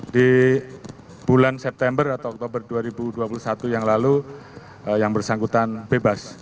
di bulan september atau oktober dua ribu dua puluh satu yang lalu yang bersangkutan bebas